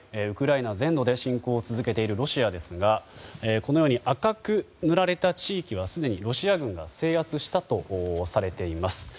ウクライナ全土で侵攻を続けているロシアですがこのように赤く塗られた地域はすでにロシア軍が制圧したとされています。